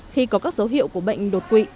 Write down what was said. khi có các dấu hiệu của bệnh đột quỵ